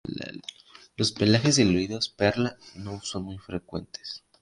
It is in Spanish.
Los pelajes diluidos perla no son muy frecuentes.